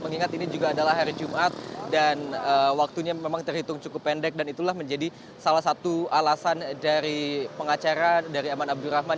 mengingat ini juga adalah hari jumat dan waktunya memang terhitung cukup pendek dan itulah menjadi salah satu alasan dari pengacara dari aman abdurrahman